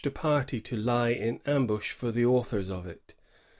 127 party to lie in ambush for the authors of it.